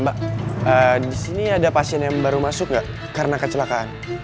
mbak di sini ada pasien yang baru masuk nggak karena kecelakaan